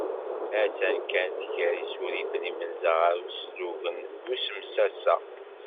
Akken kan tger isurifen imenza ɣer uslugen d usemsasa.